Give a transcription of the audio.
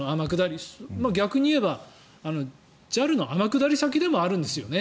逆に言えばＪＡＬの天下り先でもあるんですよね。